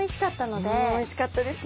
うんおいしかったですね。